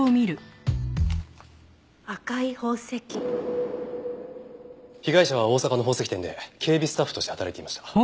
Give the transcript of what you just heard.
「赤い宝石」被害者は大阪の宝石店で警備スタッフとして働いていました。